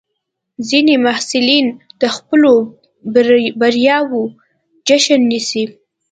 ځینې محصلین د خپلو بریاوو جشن نیسي.